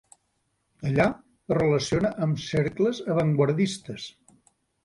Allà es relaciona amb cercles avantguardistes.